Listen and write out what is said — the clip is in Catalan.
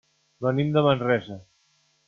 Venim de Manresa.